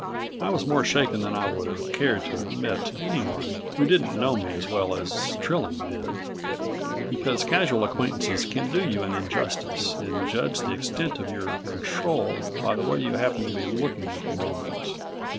I was more shaken than I would have cared to admit to anyone who didn't know me as well as Trilling did, because casual acquaintances can do you an injustice and judge the extent of your control by the way you happen to be looking at the moment.